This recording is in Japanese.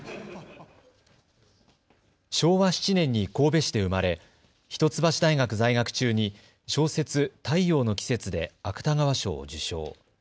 昭和７年に神戸市で生まれ一橋大学在学中に小説、太陽の季節で芥川賞を受賞。